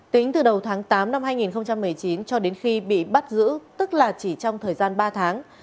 tính từ đầu tháng tám năm hai nghìn một mươi chín cho đến khi bị bắt giữ tức là chỉ trong thời gian ba tháng